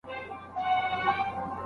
د بدن يخوالی درد زېږوي